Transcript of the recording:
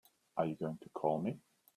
Are you going to call me?